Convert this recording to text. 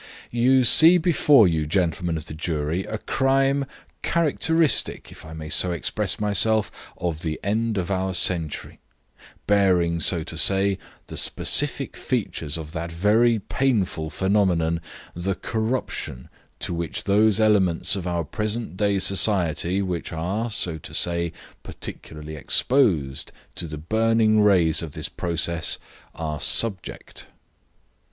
"You see before you, gentlemen of the jury, a crime characteristic, if I may so express myself, of the end of our century; bearing, so to say, the specific features of that very painful phenomenon, the corruption to which those elements of our present day society, which are, so to say, particularly exposed to the burning rays of this process, are subject."